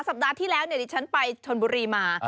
สัปดาห์ที่แล้วดิฉันไปชนบุรีมา